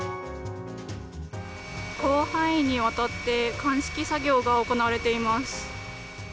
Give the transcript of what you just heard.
広範囲にわたって鑑識作業が行われています。